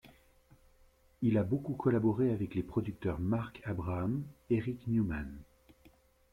Il a beaucoup collaboré avec les producteurs Marc Abraham, Eric Newman.